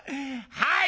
はい！